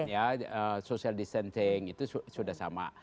kalau pesan sosial distancing itu sudah sama